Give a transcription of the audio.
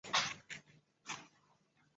慢性感染数年后会导致肝硬化或肝癌。